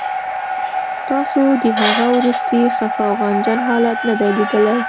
تاسو د هغه وروستی خفه او غمجن حالت نه دی لیدلی